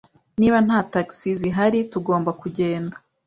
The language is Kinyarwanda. Niba nta tagisi zihari, tugomba kugenda.